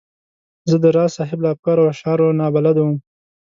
زه د راز صاحب له افکارو او اشعارو نا بلده وم.